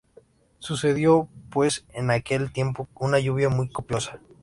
Sucedió, pues, en aquel tiempo, una lluvia muy copiosa.